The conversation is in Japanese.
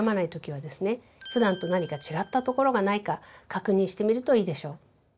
普段と何か違ったところがないか確認してみるといいでしょう。